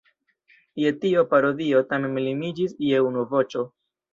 Je tio parodio tamen limiĝis je unu voĉo.